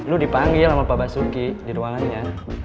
lu dipanggil sama pak basuki di ruangannya